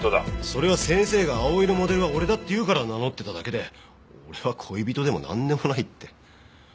それは先生が葵のモデルは俺だって言うから名乗ってただけで俺は恋人でもなんでもないって。